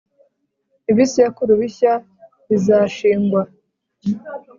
ibisekuru bishya bizashingwa